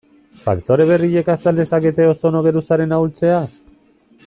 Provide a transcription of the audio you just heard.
Faktore berriek azal dezakete ozono geruzaren ahultzea?